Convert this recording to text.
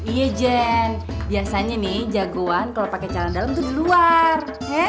iya jen biasanya nih jagoan kalau pakai jalan dalam tuh di luar